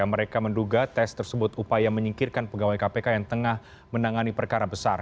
mereka menduga tes tersebut upaya menyingkirkan pegawai kpk yang tengah menangani perkara besar